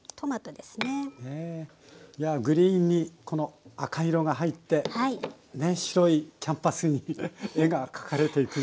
いやグリーンにこの赤い色が入って白いキャンパスに絵が描かれていくような。